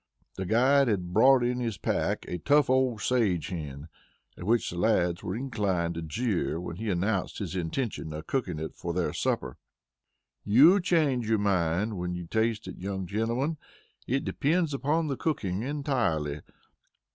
The guide had brought in his pack a tough old sage hen, at which the lads were inclined to jeer when he announced his intention of cooking it for their supper. "You'll change your mind when you taste it, young gentlemen. It depends upon the cooking entirely.